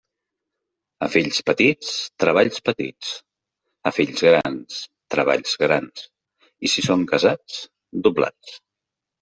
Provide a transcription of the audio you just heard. A fills petits, treballs petits; a fills grans, treballs grans, i si són casats, doblats.